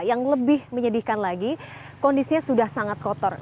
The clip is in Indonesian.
yang lebih menyedihkan lagi kondisinya sudah sangat kotor